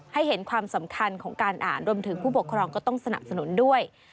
ให้เห็นความสำคัญของการอ่านรวมถึงผู้ปกครองก็ต้องสนับสนุนด้วย